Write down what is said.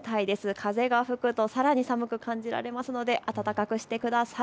風が吹くとさらに冷たく感じられますので暖かくしてください。